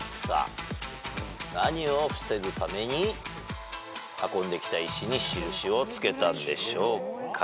何を防ぐために運んできた石に印をつけたんでしょうか。